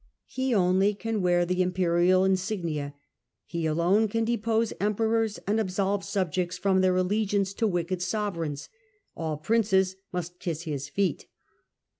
He only can wear the imperial insignia, he alone can depose emperors, and absolve subjects from their allegiance to wicked sovereigns. All princes should kiss his feet.